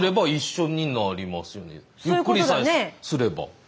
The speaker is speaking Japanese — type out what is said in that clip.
ゆっくりさえすれば。